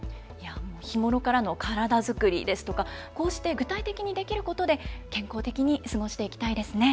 日頃からの体作りですとかこうして具体的にできることで健康的に過ごしていきたいですね。